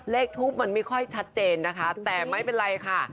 ทูปมันไม่ค่อยชัดเจนนะคะแต่ไม่เป็นไรค่ะ